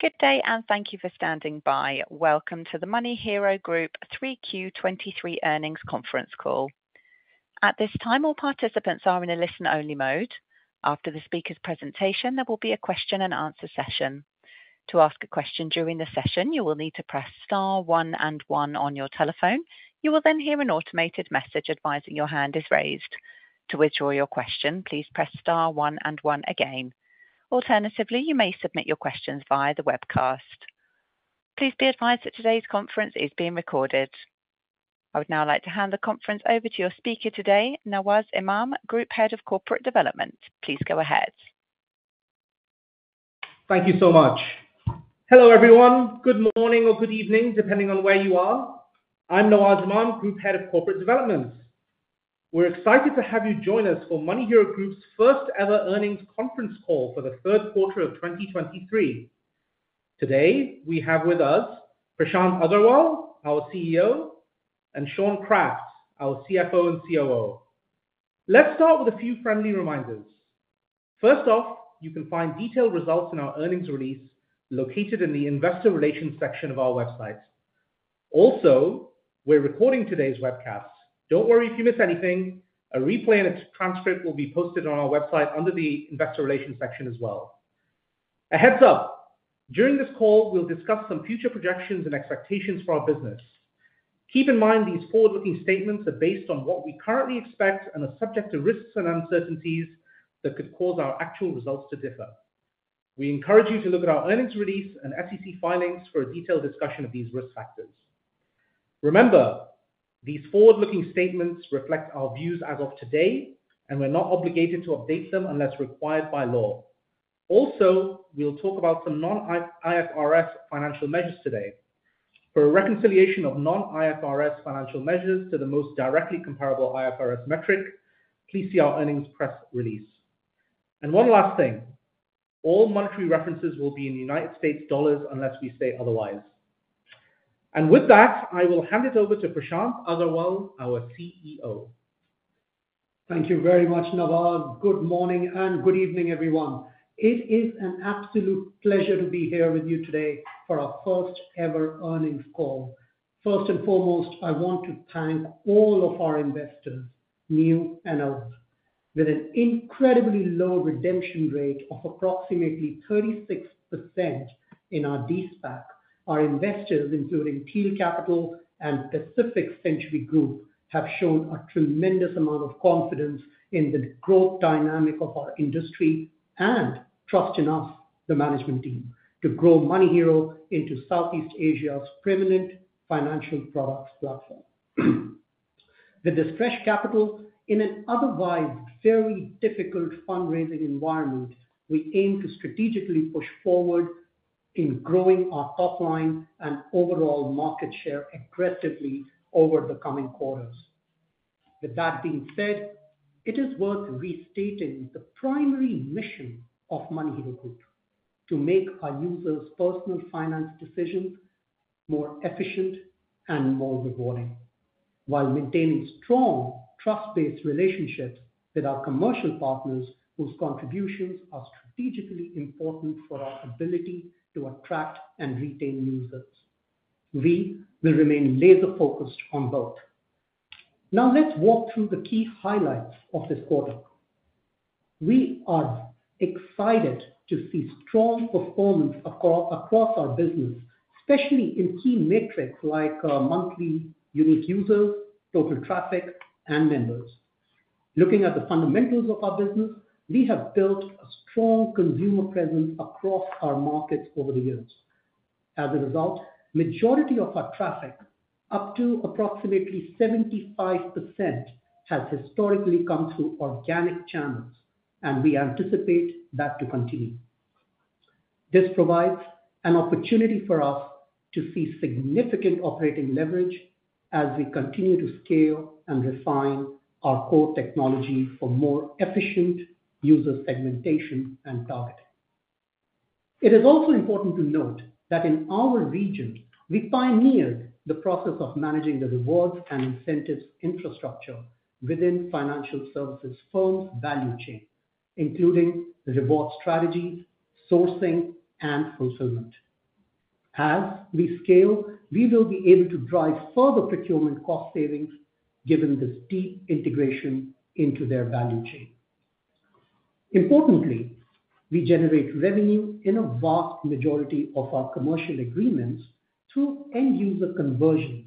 Good day, and thank you for standing by. Welcome to the MoneyHero Group 3Q 2023 Earnings Conference Call. At this time, all participants are in a listen-only mode. After the speaker's presentation, there will be a question and answer session. To ask a question during the session, you will need to press star one and one on your telephone. You will then hear an automated message advising your hand is raised. To withdraw your question, please press star one and one again. Alternatively, you may submit your questions via the webcast. Please be advised that today's conference is being recorded. I would now like to hand the conference over to your speaker today, Nawaz Imam, Group Head of Corporate Development. Please go ahead. Thank you so much. Hello, everyone. Good morning or good evening, depending on where you are. I'm Nawaz Imam, Group Head of Corporate Development. We're excited to have you join us for MoneyHero Group's first ever earnings conference call for the third quarter of 2023. Today, we have with us Prashant Aggarwal, our CEO, and Shaun Kraft, our CFO and COO. Let's start with a few friendly reminders. First off, you can find detailed results in our earnings release located in the investor relations section of our website. Also, we're recording today's webcast. Don't worry if you miss anything, a replay and its transcript will be posted on our website under the investor relations section as well. A heads up, during this call, we'll discuss some future projections and expectations for our business. Keep in mind, these forward-looking statements are based on what we currently expect and are subject to risks and uncertainties that could cause our actual results to differ. We encourage you to look at our earnings release and SEC filings for a detailed discussion of these risk factors. Remember, these forward-looking statements reflect our views as of today, and we're not obligated to update them unless required by law. Also, we'll talk about some non-IFRS financial measures today. For a reconciliation of non-IFRS financial measures to the most directly comparable IFRS metric, please see our earnings press release. One last thing, all monetary references will be in United States dollars, unless we say otherwise. With that, I will hand it over to Prashant Aggarwal, our CEO. Thank you very much, Nawaz. Good morning and good evening, everyone. It is an absolute pleasure to be here with you today for our first ever earnings call. First and foremost, I want to thank all of our investors, new and old. With an incredibly low redemption rate of approximately 36% in our de-SPAC, our investors, including Thiel Capital and Pacific Century Group, have shown a tremendous amount of confidence in the growth dynamic of our industry and trust in us, the management team, to grow MoneyHero into Southeast Asia's permanent financial products platform. With this fresh capital in an otherwise very difficult fundraising environment, we aim to strategically push forward in growing our top line and overall market share aggressively over the coming quarters. With that being said, it is worth restating the primary mission of MoneyHero Group: to make our users' personal finance decisions more efficient and more rewarding while maintaining strong, trust-based relationships with our commercial partners, whose contributions are strategically important for our ability to attract and retain users. We will remain laser-focused on both. Now, let's walk through the key highlights of this quarter. We are excited to see strong performance across our business, especially in key metrics like monthly unique users, total traffic, and members. Looking at the fundamentals of our business, we have built a strong consumer presence across our markets over the years. As a result, majority of our traffic, up to approximately 75%, has historically come through organic channels, and we anticipate that to continue. This provides an opportunity for us to see significant operating leverage as we continue to scale and refine our core technology for more efficient user segmentation and targeting. It is also important to note that in our region, we pioneered the process of managing the rewards and incentives infrastructure within financial services firms' value chain, including the reward strategies, sourcing, and fulfillment. As we scale, we will be able to drive further procurement cost savings, given this deep integration into their value chain. Importantly, we generate revenue in a vast majority of our commercial agreements through end-user conversion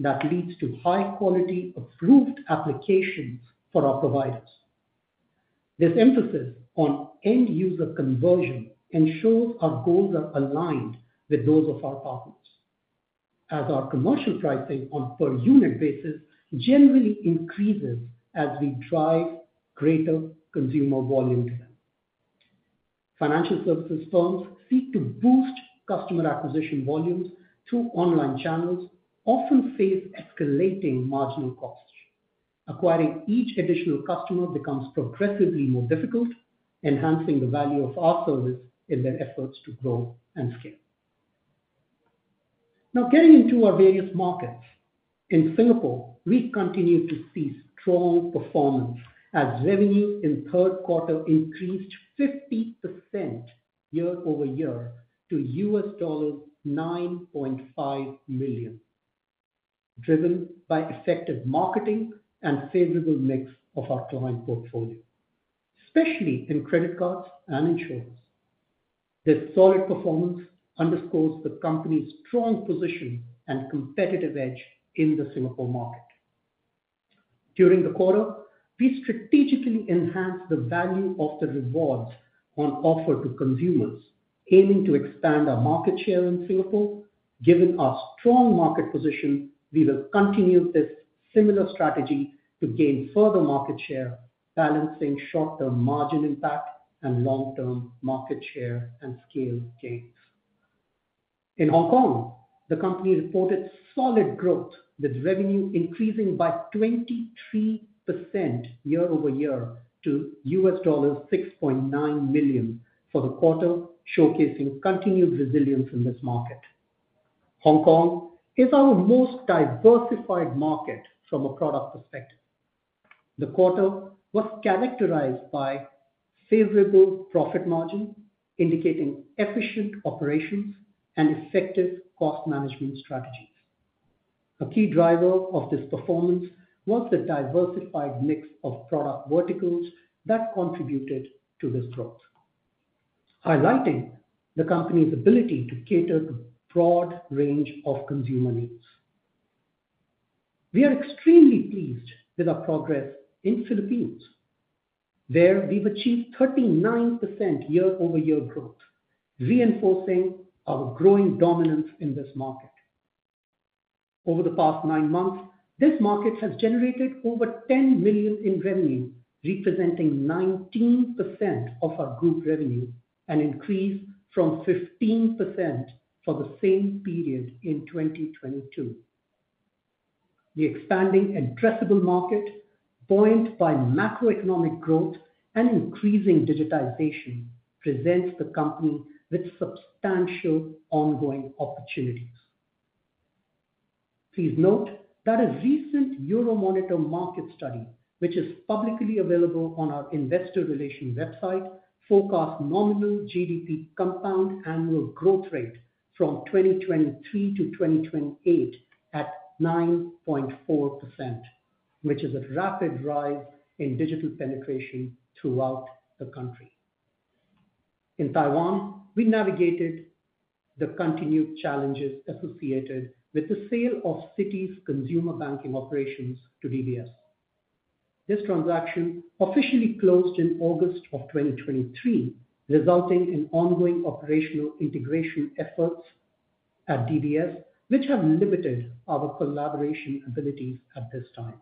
that leads to high quality, approved applications for our providers. This emphasis on end-user conversion ensures our goals are aligned with those of our partners, as our commercial pricing on per unit basis generally increases as we drive greater consumer volume to them. Financial services firms seek to boost customer acquisition volumes through online channels often face escalating marginal costs. Acquiring each additional customer becomes progressively more difficult, enhancing the value of our service in their efforts to grow and scale. Now getting into our various markets. In Singapore, we continue to see strong performance as revenue in third quarter increased 50% year-over-year to $9.5 million, driven by effective marketing and favorable mix of our client portfolio, especially in credit cards and insurance. This solid performance underscores the company's strong position and competitive edge in the Singapore market. During the quarter, we strategically enhanced the value of the rewards on offer to consumers, aiming to expand our market share in Singapore. Given our strong market position, we will continue this similar strategy to gain further market share, balancing short-term margin impact and long-term market share and scale gains. In Hong Kong, the company reported solid growth, with revenue increasing by 23% year-over-year to $6.9 million for the quarter, showcasing continued resilience in this market. Hong Kong is our most diversified market from a product perspective. The quarter was characterized by favorable profit margin, indicating efficient operations and effective cost management strategies. A key driver of this performance was the diversified mix of product verticals that contributed to this growth, highlighting the company's ability to cater to a broad range of consumer needs. We are extremely pleased with our progress in Philippines, where we've achieved 39% year-over-year growth, reinforcing our growing dominance in this market. Over the past nine months, this market has generated over $10 million in revenue, representing 19% of our group revenue, an increase from 15% for the same period in 2022. The expanding and profitable market, buoyed by macroeconomic growth and increasing digitization, presents the company with substantial ongoing opportunities. Please note that a recent Euromonitor market study, which is publicly available on our investor relations website, forecasts nominal GDP compound annual growth rate from 2023 to 2028 at 9.4%, which is a rapid rise in digital penetration throughout the country. In Taiwan, we navigated the continued challenges associated with the sale of Citi's consumer banking operations to DBS. This transaction officially closed in August 2023, resulting in ongoing operational integration efforts at DBS, which have limited our collaboration abilities at this time.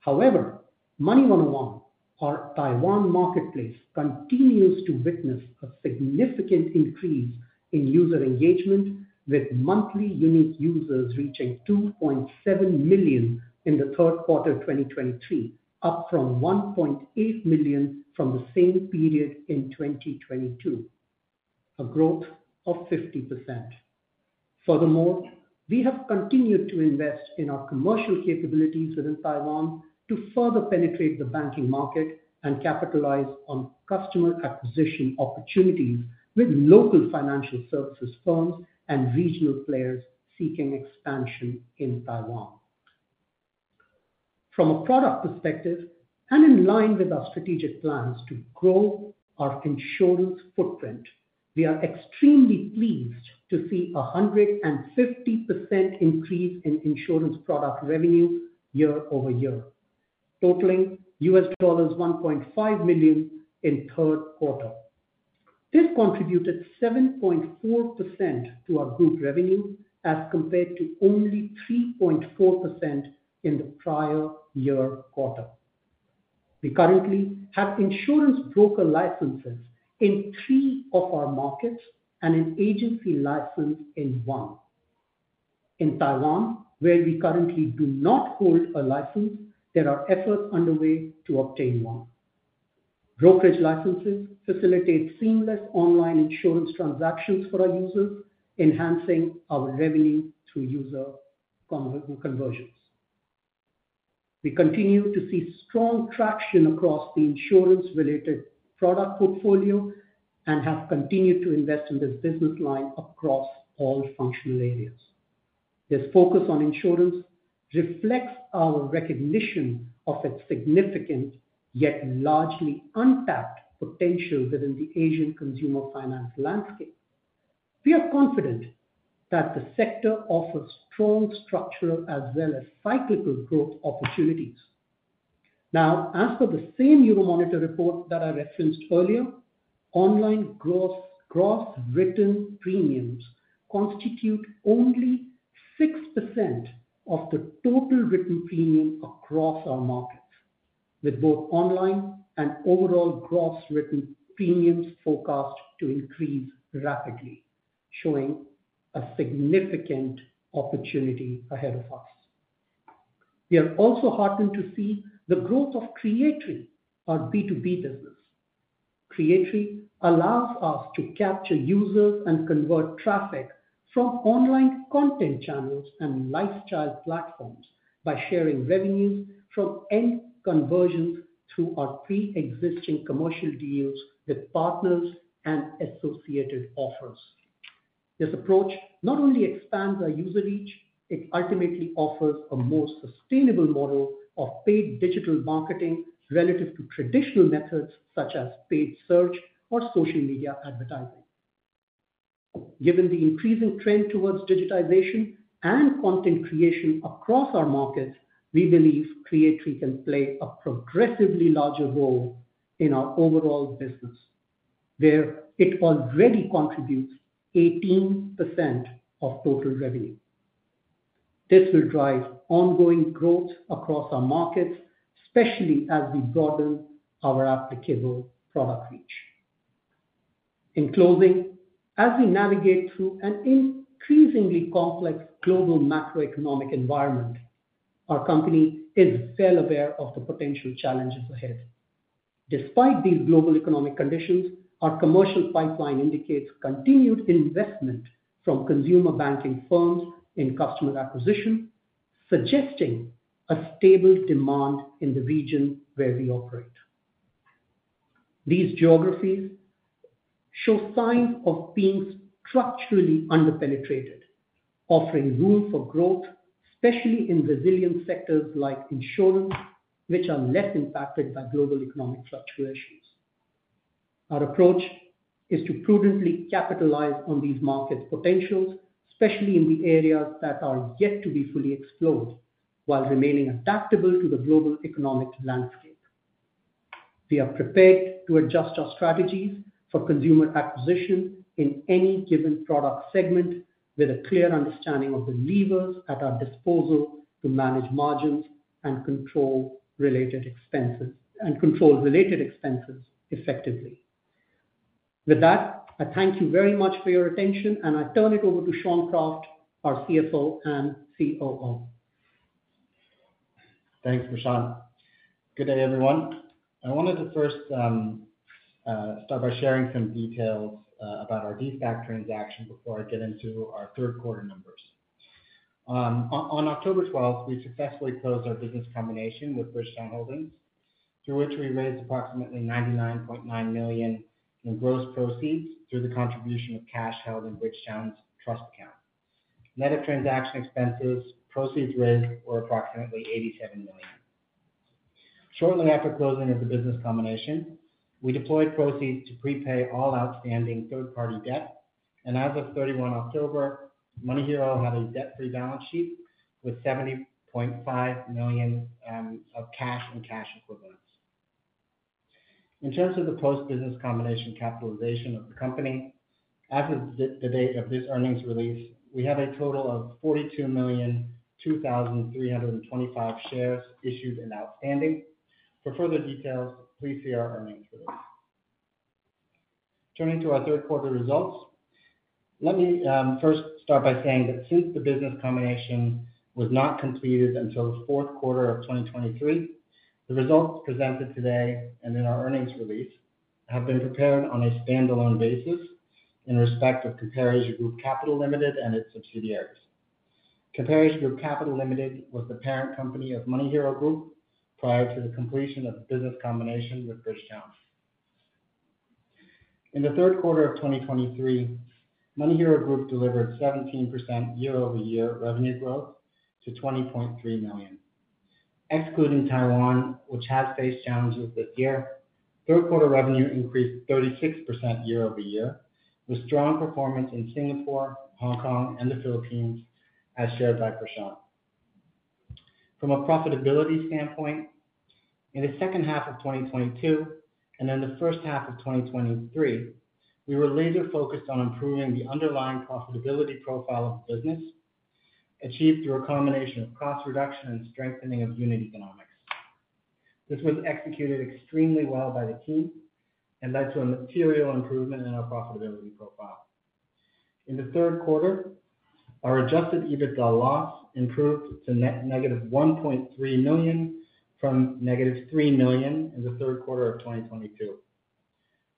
However, Money101, our Taiwan marketplace, continues to witness a significant increase in user engagement, with monthly unique users reaching 2.7 million in the third quarter of 2023, up from 1.8 million from the same period in 2022, a growth of 50%. Furthermore, we have continued to invest in our commercial capabilities within Taiwan to further penetrate the banking market and capitalize on customer acquisition opportunities with local financial services firms and regional players seeking expansion in Taiwan. From a product perspective, and in line with our strategic plans to grow our insurance footprint, we are extremely pleased to see a 150% increase in insurance product revenue year-over-year, totaling $1.5 million in third quarter. This contributed 7.4% to our group revenue, as compared to only 3.4% in the prior year quarter. We currently have insurance broker licenses in three of our markets and an agency license in one. In Taiwan, where we currently do not hold a license, there are efforts underway to obtain one. Brokerage licenses facilitate seamless online insurance transactions for our users, enhancing our revenue through user conversions. We continue to see strong traction across the insurance-related product portfolio and have continued to invest in this business line across all functional areas. This focus on insurance reflects our recognition of its significant, yet largely untapped, potential within the Asian consumer finance landscape. We are confident that the sector offers strong structural as well as cyclical growth opportunities. Now, as for the same Euromonitor report that I referenced earlier, online gross written premiums constitute only 6% of the total written premium across our markets, with both online and overall gross written premiums forecast to increase rapidly, showing a significant opportunity ahead of us. We are also heartened to see the growth of Creatory, our B2B business. Creatory allows us to capture users and convert traffic from online content channels and lifestyle platforms by sharing revenues from any conversions through our pre-existing commercial deals with partners and associated offers. This approach not only expands our user reach, it ultimately offers a more sustainable model of paid digital marketing relative to traditional methods such as paid search or social media advertising. Given the increasing trend towards digitization and content creation across our markets, we believe Creatory can play a progressively larger role in our overall business, where it already contributes 18% of total revenue. This will drive ongoing growth across our markets, especially as we broaden our applicable product reach. In closing, as we navigate through an increasingly complex global macroeconomic environment, our company is well aware of the potential challenges ahead. Despite these global economic conditions, our commercial pipeline indicates continued investment from consumer banking firms in customer acquisition, suggesting a stable demand in the region where we operate. These geographies show signs of being structurally under-penetrated, offering room for growth, especially in resilient sectors like insurance, which are less impacted by global economic fluctuations. Our approach is to prudently capitalize on these markets' potentials, especially in the areas that are yet to be fully explored, while remaining adaptable to the global economic landscape. We are prepared to adjust our strategies for consumer acquisition in any given product segment, with a clear understanding of the levers at our disposal to manage margins and control related expenses effectively. With that, I thank you very much for your attention, and I turn it over to Shaun Kraft, our CFO and COO. Thanks, Prashant. Good day, everyone. I wanted to first start by sharing some details about our de-SPAC transaction before I get into our third quarter numbers. On October 12, we successfully closed our business combination with Bridgetown Holdings, through which we raised approximately $99.9 million in gross proceeds through the contribution of cash held in Bridgetown's trust account. Net of transaction expenses, proceeds raised were approximately $87 million. Shortly after closing of the business combination, we deployed proceeds to prepay all outstanding third-party debt, and as of October 31, MoneyHero had a debt-free balance sheet with $70.5 million of cash and cash equivalents. In terms of the post-business combination capitalization of the company, as of the date of this earnings release, we have a total of 42,002,325 shares issued and outstanding. For further details, please see our earnings release. Turning to our third quarter results, let me first start by saying that since the business combination was not completed until the fourth quarter of 2023, the results presented today and in our earnings release have been prepared on a standalone basis in respect of CompareAsia Group Capital Limited and its subsidiaries. CompareAsia Group Capital Limited was the parent company of MoneyHero Group prior to the completion of the business combination with Bridgetown Holdings. In the third quarter of 2023, MoneyHero Group delivered 17% year-over-year revenue growth to $20.3 million. Excluding Taiwan, which has faced challenges this year, third quarter revenue increased 36% year-over-year, with strong performance in Singapore, Hong Kong, and the Philippines, as shared by Prashant. From a profitability standpoint, in the second half of 2022 and in the first half of 2023, we were laser focused on improving the underlying profitability profile of the business, achieved through a combination of cost reduction and strengthening of unit economics. This was executed extremely well by the team and led to a material improvement in our profitability profile. In the third quarter, our adjusted EBITDA loss improved to negative $1.3 million, from negative $3 million in the third quarter of 2022.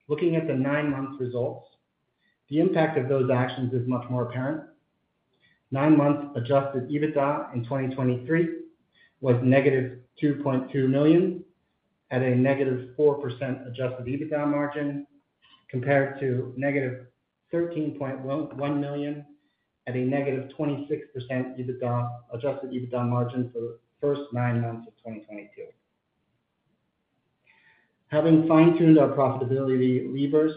Looking at the nine-month results, the impact of those actions is much more apparent. Nine-month adjusted EBITDA in 2023 was negative $2.2 million, at a negative 4% adjusted EBITDA margin, compared to negative $13.1 million at a negative 26% adjusted EBITDA margin for the first nine months of 2022. Having fine-tuned our profitability levers,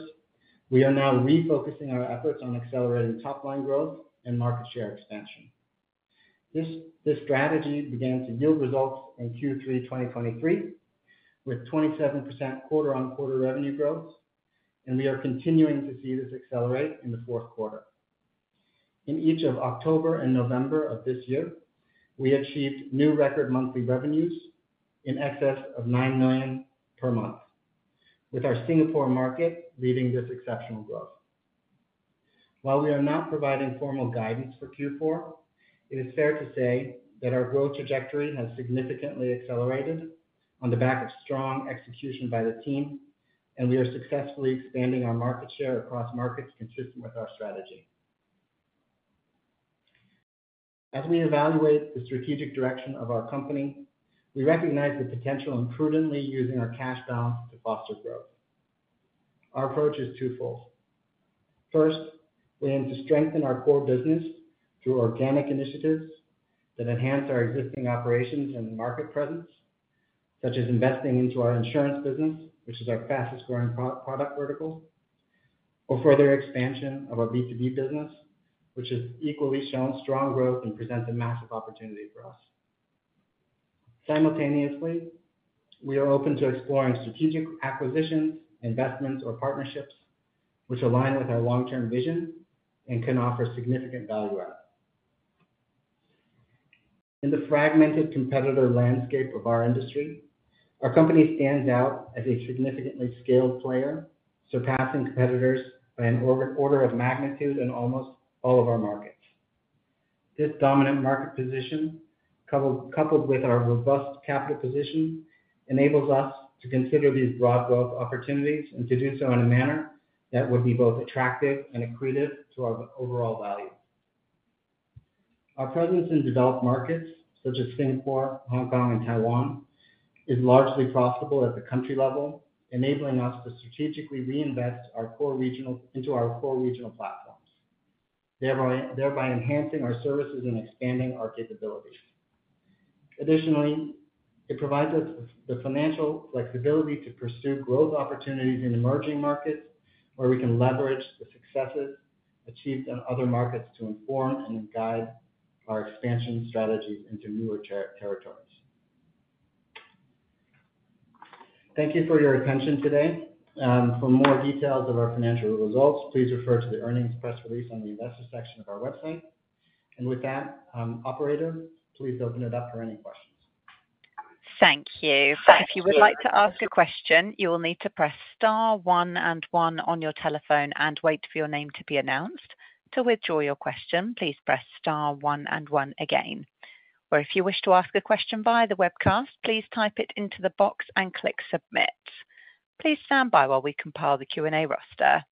we are now refocusing our efforts on accelerating top line growth and market share expansion. This strategy began to yield results in Q3 2023, with 27% quarter-on-quarter revenue growth, and we are continuing to see this accelerate in the fourth quarter. In each of October and November of this year, we achieved new record monthly revenues in excess of $9 million per month, with our Singapore market leading this exceptional growth. While we are not providing formal guidance for Q4, it is fair to say that our growth trajectory has significantly accelerated on the back of strong execution by the team, and we are successfully expanding our market share across markets consistent with our strategy. As we evaluate the strategic direction of our company, we recognize the potential in prudently using our cash balance to foster growth. Our approach is twofold. First, we aim to strengthen our core business through organic initiatives that enhance our existing operations and market presence, such as investing into our insurance business, which is our fastest growing product vertical, or further expansion of our B2B business, which has equally shown strong growth and presents a massive opportunity for us. Simultaneously, we are open to exploring strategic acquisitions, investments, or partnerships which align with our long-term vision and can offer significant value add. In the fragmented competitor landscape of our industry, our company stands out as a significantly scaled player, surpassing competitors by an order of magnitude in almost all of our markets. This dominant market position, coupled with our robust capital position, enables us to consider these broad growth opportunities and to do so in a manner that would be both attractive and accretive to our overall value. Our presence in developed markets such as Singapore, Hong Kong, and Taiwan is largely profitable at the country level, enabling us to strategically reinvest into our core regional platforms, thereby enhancing our services and expanding our capabilities. Additionally, it provides us with the financial flexibility to pursue growth opportunities in emerging markets, where we can leverage the successes achieved in other markets to inform and guide our expansion strategies into newer territories. Thank you for your attention today. For more details of our financial results, please refer to the earnings press release on the investor section of our website. And with that, operator, please open it up for any questions. Thank you. If you would like to ask a question, you will need to press star one and one on your telephone and wait for your name to be announced. To withdraw your question, please press star one and one again, or if you wish to ask a question via the webcast, please type it into the box and click submit. Please stand by while we compile the Q&A roster.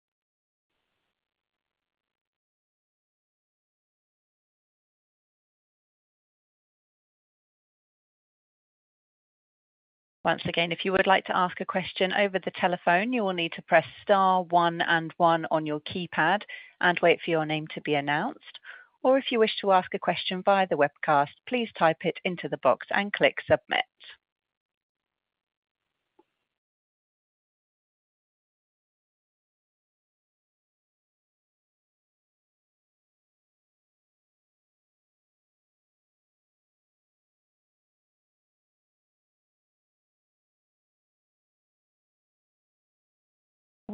Once again, if you would like to ask a question over the telephone, you will need to press star one and one on your keypad and wait for your name to be announced. Or if you wish to ask a question via the webcast, please type it into the box and click submit.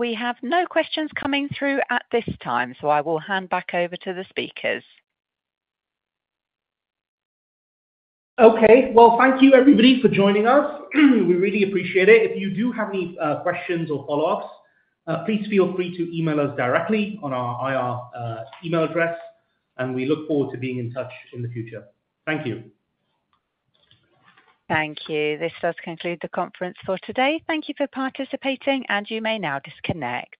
We have no questions coming through at this time, so I will hand back over to the speakers. Okay, well, thank you everybody for joining us. We really appreciate it. If you do have any questions or follow-ups, please feel free to email us directly on our IR email address, and we look forward to being in touch in the future. Thank you. Thank you. This does conclude the conference for today. Thank you for participating, and you may now disconnect.